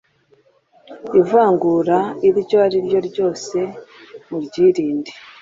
ivangura iryo ariryose muryirinde.